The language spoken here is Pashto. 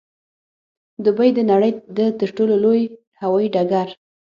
دوبۍ د نړۍ د تر ټولو لوی هوايي ډګر